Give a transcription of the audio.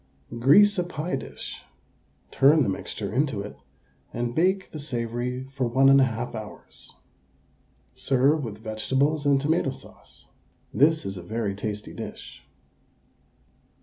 Grease a pie dish, turn the mixture into it, and bake the savoury for 1 1/2 hours. Serve with vegetables and tomato sauce. This is a very tasty dish.